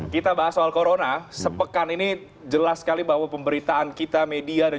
kita bahas soal corona sepekan ini jelas sekali bahwa pemberitaan kita media